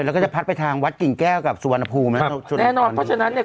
แล้วก็จะพัดไปทางวัดกิ่งแก้วกับสุวรรณภูมินะครับแน่นอนเพราะฉะนั้นเนี่ย